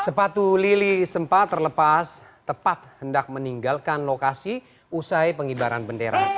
sepatu lili sempat terlepas tepat hendak meninggalkan lokasi usai pengibaran bendera